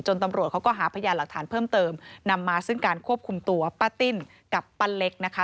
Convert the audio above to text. ตำรวจเขาก็หาพยานหลักฐานเพิ่มเติมนำมาซึ่งการควบคุมตัวป้าติ้นกับป้าเล็กนะคะ